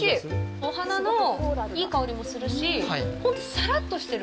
お花のいい香りもするし本当さらっとしてる。